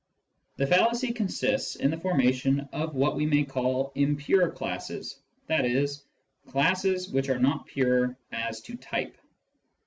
The fallacy consists in the formation of what we may call " impure " classes, i.e. classes which are not pure as to " type."